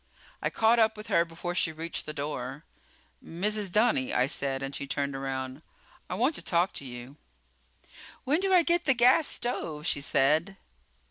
I caught up with her before she reached the door. "Mrs. Dunny," I said, and she turned around. "I want to talk to you." "When do I get the gas stove?" she said.